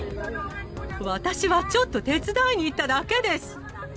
私はちょっと手伝いに行っただけです。